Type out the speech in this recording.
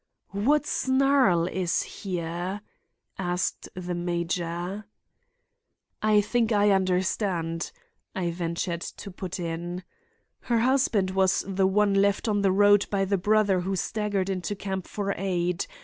"What snarl is here?" asked the major. "I think I understand," I ventured to put in. "Her husband was the one left on the road by the brother who staggered into camp for aid.